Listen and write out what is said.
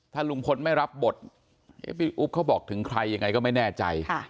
ถ้าลุงพลไม่รับบทพี่อุ๊บเขาบอกถึงใครยังไงก็ไม่แน่ใจ